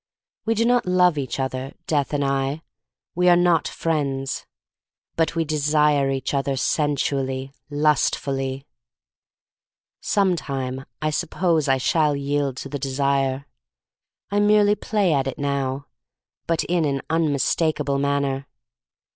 We do not love each other. Death and I, — we are not friends. But we desire each other sensually, lustfully. Sometime I suppose I shall yield to the desire. I merely play at it now — but in an unmistakable manner.